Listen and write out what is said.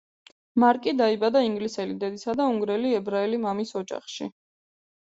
მარკი დაიბადა ინგლისელი დედისა და უნგრელი ებრაელი მამის ოჯახში.